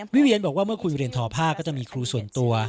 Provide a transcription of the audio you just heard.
เวียนบอกว่าเมื่อคุณเรียนทอผ้าก็จะมีครูส่วนตัว